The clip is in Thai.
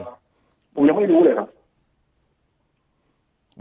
ผมยังไม่รู้เลยครับ